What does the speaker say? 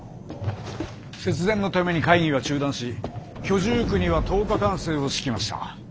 節電のために会議は中断し居住区には灯火管制を敷きました。